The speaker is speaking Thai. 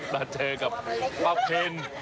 น่าเจอกับป้าเฟ่น